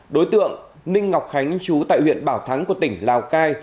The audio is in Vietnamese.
đối tượng ninh ngọc khánh chú tại huyện bảo thắng của tỉnh lào cai